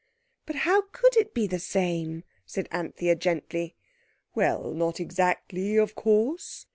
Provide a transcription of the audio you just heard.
"But how could it be the same?" said Anthea gently. "Well, not exactly, of course.